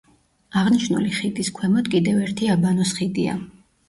აღნიშნული ხიდის ქვემოთ კიდევ ერთი აბანოს ხიდია.